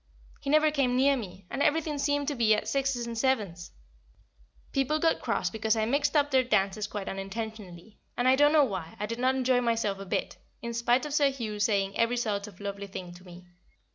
He never came near me, and everything seemed to be at sixes and sevens; people got cross because I mixed up their dances quite unintentionally, and, I don't know why, I did not enjoy myself a bit, in spite of Sir Hugh saying every sort of lovely thing to me.